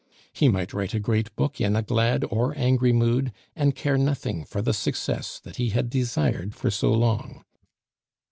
He might write a great book in a glad or angry mood, and care nothing for the success that he had desired for so long.